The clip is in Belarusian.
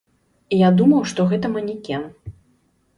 Я думаў, што гэта манекен.